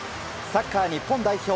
サッカー日本代表